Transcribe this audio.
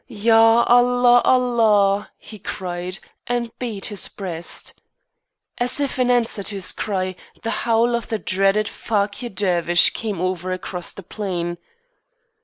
"Ya! Allah! Allah!" he cried, and beat his breast. As if in answer to his cry, the howl of the dreaded Fakir Dervish came over across the plain.